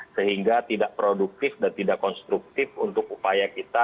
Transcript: sehingga tidak produktif dan tidak konstruktif untuk upaya kita